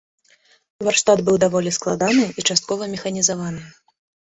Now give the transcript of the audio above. Варштат быў даволі складаны і часткова механізаваны.